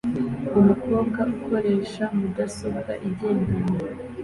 Umukobwa ukoresha mudasobwa igendanwa